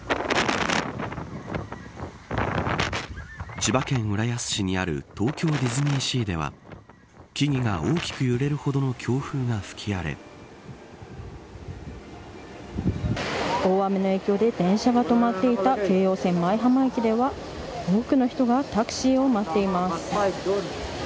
千葉県浦安市にある東京ディズニーシーでは木々が大きく揺れるほどの強風が吹き荒れ大雨の影響で電車が止まっていた京葉線舞浜駅では多くの人がタクシーを待っています。